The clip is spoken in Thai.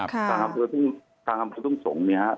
ครับครับทางอำเภอทุ่งทุ่งที่ส่องเนี้ยฮะ